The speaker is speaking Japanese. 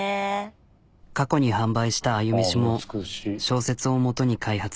過去に販売したあゆ飯も小説を元に開発。